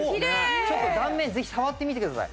ちょっと断面ぜひ触ってみてください。